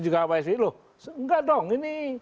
juga pak sby loh enggak dong ini